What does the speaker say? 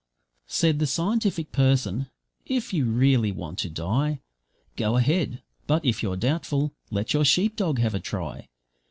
Said the scientific person, `If you really want to die, Go ahead but, if you're doubtful, let your sheep dog have a try.